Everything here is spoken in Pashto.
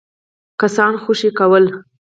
کسان خوشي کول.